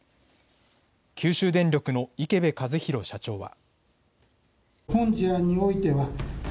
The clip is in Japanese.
九州電力の池辺和弘社長は。